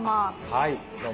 はいどうも。